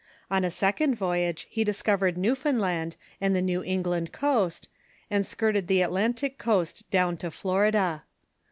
On a sec ond voyage he discovered Newfoundland and the New Eng land coast, and skirted the Atlantic coast down to Florida.